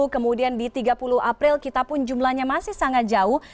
kemudian di tiga puluh april kita pun jumlahnya masih sangat jauh